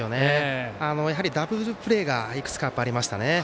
やはりダブルプレーがいくつかありましたね。